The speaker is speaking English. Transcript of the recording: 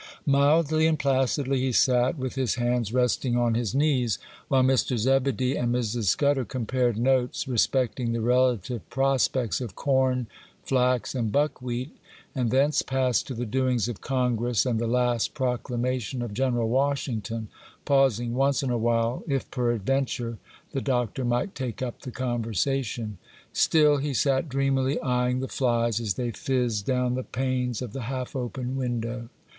Mildly and placidly he sat with his hands resting on his knees, while Mr. Zebedee and Mrs. Scudder compared notes respecting the relative prospects of corn, flax, and buckwheat, and thence passed to the doings of Congress and the last proclamation of General Washington, pausing once in a while, if, peradventure, the Doctor might take up the conversation. Still he sat dreamily eyeing the flies as they fizzed down the panes of the half open window.